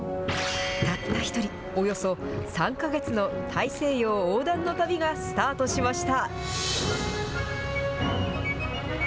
たった１人、およそ３か月の大西洋横断の旅がスタートしました。